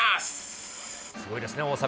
すごいですね、大阪。